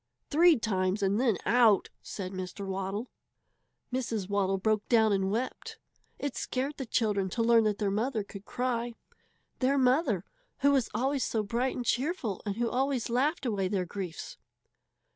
Three times and then out!" said Mr. Waddle. Mrs. Waddle broke down and wept. It scared the children to learn that their mother could cry their mother, who was always so bright and cheerful and who always laughed away their griefs!